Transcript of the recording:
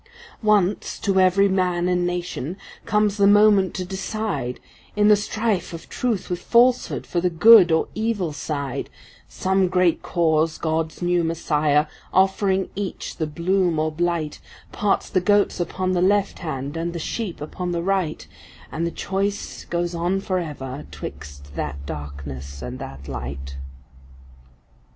Once to every man and nation comes the moment to decide, In the strife of Truth with Falsehood, for the good or evil side; Some great cause, God’s new Messiah, offering each the bloom or blight, Parts the goats upon the left hand, and the sheep upon the right, And the choice goes by forever ’twixt that darkness and that light.